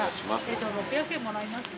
６００円もらいますね。